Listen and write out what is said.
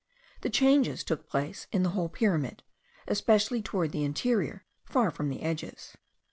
The changes took place in the whole pyramid, especially toward the interior, far from the edges.